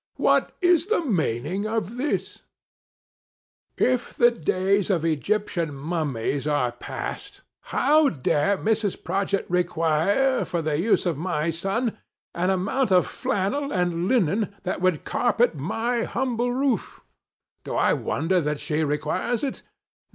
What is the meaning of this 1 If the days of Egyptian Mummies are past, how dare Mrs. Prodgit require, for the use of my son, an amount of flannel and linen that would carpet my humble roof 1 Do I wonder that she requires it